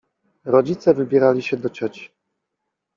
Rodzice wybierali się do cioci.